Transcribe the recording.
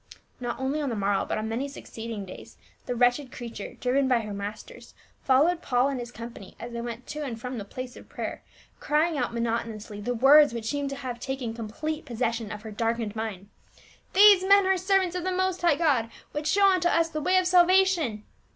Not only on the morrow but on many succeeding days, the wretched creature, driven by her masters, followed Paul and his company as they went to and from the place of prayer, crying out monotonously the words which seemed to have taken complete pos session of her darkened mind. " These men are ser vants of the most hie^h God ! which show unto us the IN PHILIPPL 325 way of salvation."